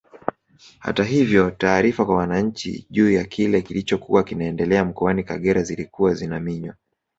Hata hivyo taarifa kwa wananchi juu ya kile kilichokuwa kinaendelea mkoani Kagera zilikuwa zinaminywa